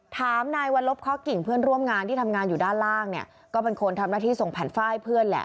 ถามนายวัลลบข้อกิ่งเพื่อนร่วมงานที่ทำงานอยู่ด้านล่างเนี่ยก็เป็นคนทำหน้าที่ส่งแผ่นฝ้ายเพื่อนแหละ